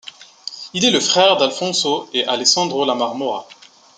Il est le frère d’Alfonso et Alessandro La Marmora.